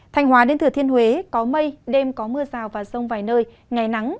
thành hóa đến thừa thiên huế có mây đêm có mưa rào và sông vài nơi ngày nắng